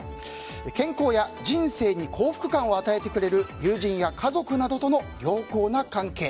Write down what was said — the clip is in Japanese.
健康や人生に幸福感を与えてくれる友人や家族などとの良好な関係。